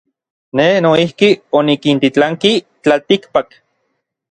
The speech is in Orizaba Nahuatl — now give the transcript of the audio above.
Nej noijki onikintitlanki tlaltikpak.